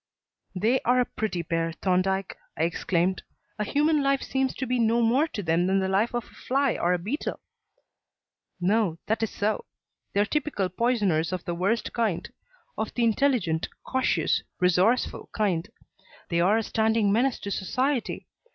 "They are a pretty pair, Thorndyke," I exclaimed. "A human life seems to be no more to them than the life of a fly or a beetle." "No; that is so. They are typical poisoners of the worst kind; of the intelligent, cautious, resourceful kind. They are a standing menace to society.